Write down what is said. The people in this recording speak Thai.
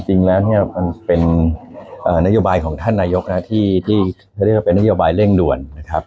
จริงแล้วเนี่ยมันเป็นนโยบายของท่านนายกที่เขาเรียกว่าเป็นนโยบายเร่งด่วนนะครับ